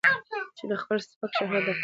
چې د خپل سپک شهرت د پاره